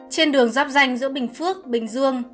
trên đường giáp danh giữa bình phước bình dương